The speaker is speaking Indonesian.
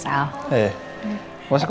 selamat pagi mas junji